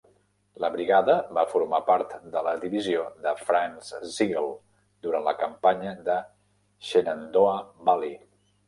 La brigada va formar part de la divisió de Franz Sigel durant la campanya de Shenandoah Valley.